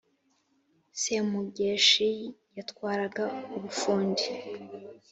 Semugeshi yatwaraga Ubufundu.